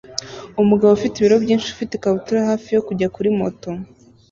Umugabo ufite ibiro byinshi ufite ikabutura hafi yo kujya kuri moto